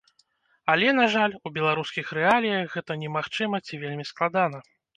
Але, на жаль, у беларускіх рэаліях гэта немагчыма ці вельмі складана.